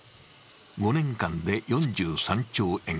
５年間で４３兆円。